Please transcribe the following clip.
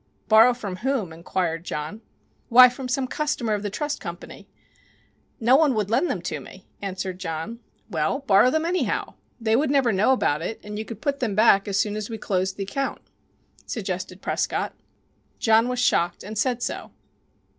"Borrow from whom?" inquired John. "Why, from some customer of the trust company." "No one would lend them to me," answered John. "Well, borrow them, anyhow. They would never know about it, and you could put them back as soon as we closed the account," suggested Prescott. John was shocked, and said so.